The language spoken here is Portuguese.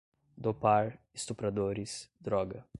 dopar, estupradores, droga